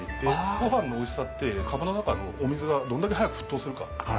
ご飯のおいしさって釜の中のお水がどれだけ早く沸騰するか。